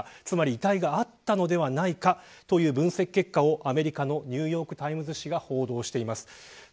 つまり、遺体があったのではないかという分析結果をアメリカのニューヨーク・タイムズ紙が報道しています。